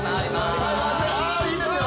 あいいですよ。